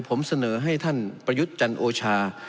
ผมเสนอให้ท่านประยุทธ์จันโอชา